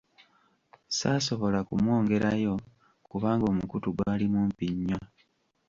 Saasobola kumwongerayo kubanga omukutu gwali mumpi nnyo.